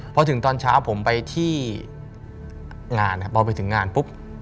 พอถึงตอนเช้าผมไปที่งานพอไปถึงงานปุ๊บ